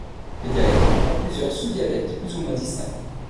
Le dialecte comprend plusieurs sous-dialectes plus ou moins distincts.